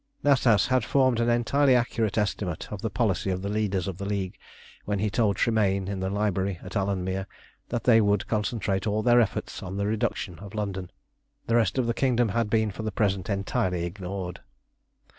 Natas had formed an entirely accurate estimate of the policy of the leaders of the League when he told Tremayne, in the library at Alanmere, that they would concentrate all their efforts on the reduction of London. The rest of the kingdom had been for the present entirely ignored.